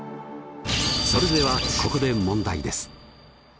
それではここで問題です。